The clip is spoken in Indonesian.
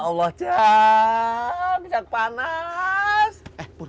kalo manggal udah lama tapi ga ada yang beli